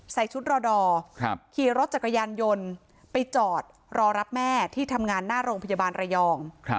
ใส่ชุดรอดอร์ขี่รถจักรยานยนต์ไปจอดรอรับแม่ที่ทำงานหน้าโรงพยาบาลระยอง